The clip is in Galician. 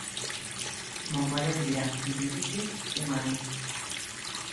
Mongolia vivirá, en principio, un ano.